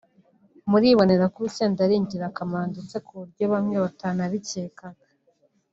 muribonera ko urusenda ari ingirakamaro ndetse kuburyo bamwe tutanabikekaga